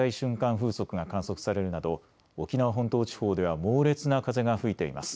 風速が観測されるなど沖縄本島地方では猛烈な風が吹いています。